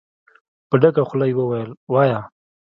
په ډکه خوله يې وويل: وايه!